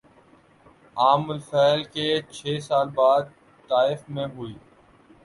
عام الفیل کے چھ سال بعد طائف میں ہوئی